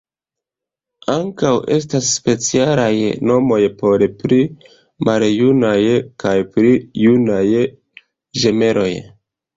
Ankaŭ estas specialaj nomoj por pli maljunaj kaj pli junaj ĝemeloj.